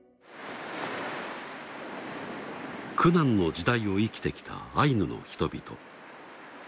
苦難の時代を生きてきたアイヌの人々。